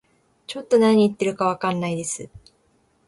ちょっと何言ってるかわかんないです